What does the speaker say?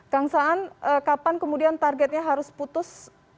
kang saan kapan kemudian targetnya harus putus